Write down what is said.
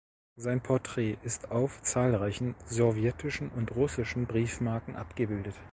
Sein Porträt ist auf zahlreichen sowjetischen und russischen Briefmarken abgebildet.